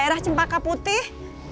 daerah cempaka putih